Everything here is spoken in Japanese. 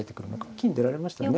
金出られましたね。